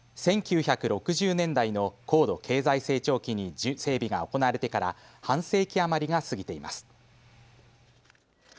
１９６０年代の高度経済成長期に整備が行われてから半世紀余りが過ぎています。